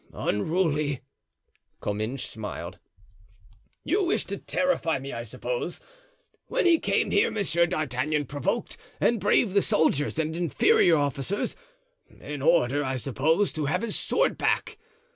"Unruly," Comminges smiled; "you wish to terrify me, I suppose. When he came here, Monsieur D'Artagnan provoked and braved the soldiers and inferior officers, in order, I suppose, to have his sword back.